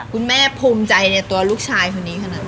ภูมิใจในตัวลูกชายคนนี้ขนาดนั้น